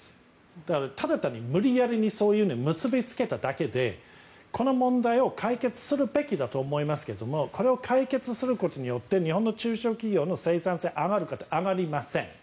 だから、ただ単に無理やり結びつけただけでこの問題を解決するべきだと思いますけどもこれを解決することによって日本の中小企業の生産性が上がるかというと上がりません。